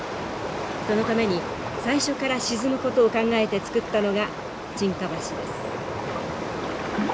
そのために最初から沈むことを考えて造ったのが沈下橋です。